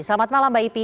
selamat malam mbak ipi